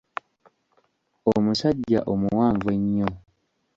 Omusajja omuwanvu ennyo.